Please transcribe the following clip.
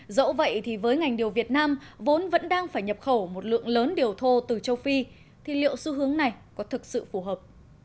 dẫu vậy thì với ngành điều việt nam vốn vẫn đang phải nhập khẩu một lượng lớn điều thô từ châu phi thì liệu xu hướng này có thực sự phù hợp